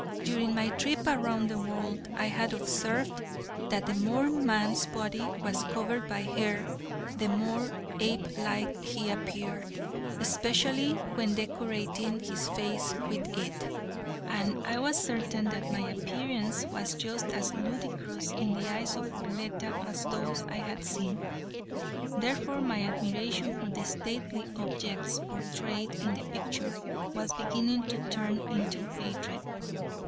During my trip around the world, I had observed that the more man's body was covered by hair, the more ape like he appeared, especially when decorating his face with it, and I was certain that my appearance was just as ludicrous in the eyes of Arletta as those I had seen. Therefore my admiration for the stately objects portrayed in the picture was beginning to turn into hatred.